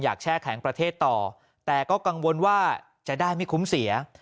แช่แข็งประเทศต่อแต่ก็กังวลว่าจะได้ไม่คุ้มเสีย